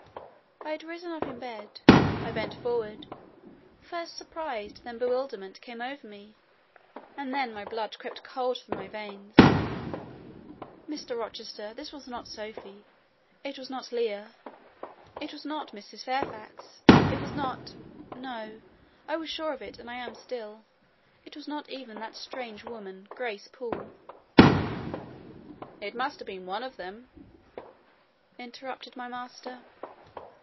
I had risen up in bed, I bent forward: first surprise, then bewilderment, came over me; and then my blood crept cold through my veins. Mr. Rochester, this was not Sophie, it was not Leah, it was not Mrs. Fairfax: it was not—no, I was sure of it, and am still—it was not even that strange woman, Grace Poole." "It must have been one of them," interrupted my master.